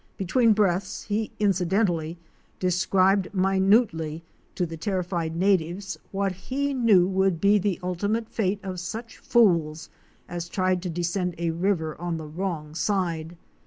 Between breaths, he inci dentally described minutely to the terrified natives what he knew would be the ultimate fate of such fools as tried to descend a river on the wrong side.